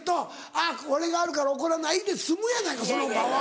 「あっこれがあるから怒らない」で済むやないかその場は。